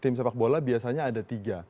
tim sepak bola biasanya ada tiga